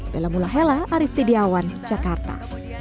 bela mullahela arief tidiawan jakarta